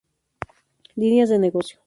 Líneas de negocio.